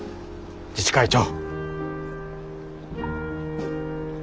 自治会長。